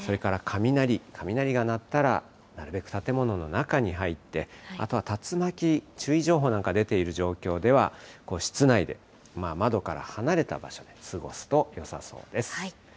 雷が鳴ったら、なるべく建物の中に入って、あとは竜巻注意情報なんかが出ている状況では、室内で、窓から離れた場所で過ごすとよさそうです。